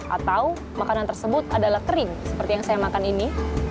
atau makanan tersebut adalah kering seperti yang saya makan ini